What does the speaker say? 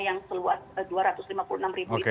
yang seluas dua ratus lima puluh enam ribu itu